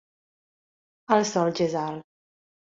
El sol ja és alt.